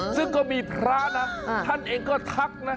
ซึ่งก็มีพระนะท่านเองก็ทักนะ